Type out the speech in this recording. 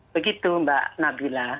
begitu mbak nabila